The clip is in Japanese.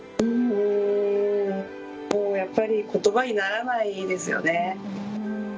やっぱりことばにならないですよね。